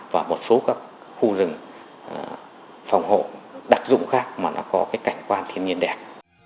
và một số khu rừng phòng hộ đặc dụng khác mà có cảnh quan thiên nhiên đẹp